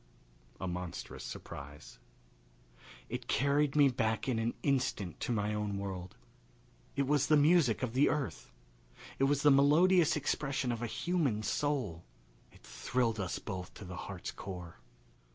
A Monstrous Surprise. It carried me back in an instant to my own world. It was the music of the earth. It was the melodious expression of a human soul. It thrilled us both to the heart's core.